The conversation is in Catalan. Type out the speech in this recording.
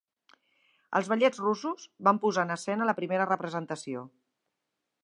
Els Ballets Russos van posar en escena la primera representació.